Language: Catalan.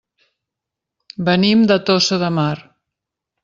Venim de Tossa de Mar.